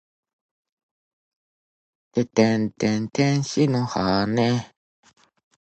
ててんてん天使の羽！